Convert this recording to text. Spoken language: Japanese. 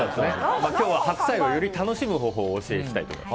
今日は白菜をより楽しむ方法をお教えしたいと思います。